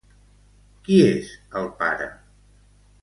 Qui és el pare?